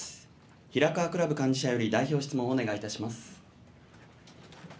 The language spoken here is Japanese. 平河クラブ幹事社より、代表質問をお願いいたします。